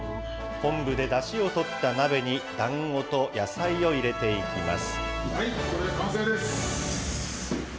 昆布でだしをとった鍋にだんごと野菜を入れていきます。